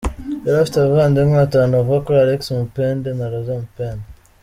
Yari afite abavandimwe batanu, bavuka kuri Alex Mupende na Rose Mupende.